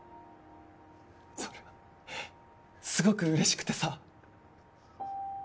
それがすごく嬉しくてさ。